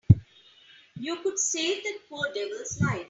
You could save that poor devil's life.